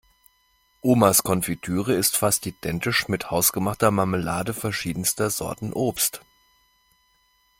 Omas Konfitüre ist fast identisch mit hausgemachter Marmelade verschiedenster Sorten Obst.